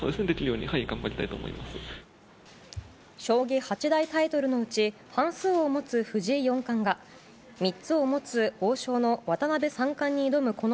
将棋八大タイトルのうち半数を持つ藤井四冠が３つを持つ王将の渡辺三冠に挑む